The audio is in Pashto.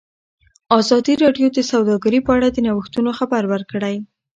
ازادي راډیو د سوداګري په اړه د نوښتونو خبر ورکړی.